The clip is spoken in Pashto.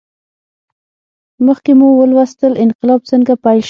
مخکې مو ولوستل انقلاب څنګه پیل شو.